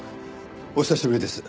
お久しぶりです。